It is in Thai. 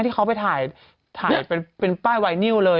ที่เขาไปถ่ายเป็นป้ายไวนิวเลย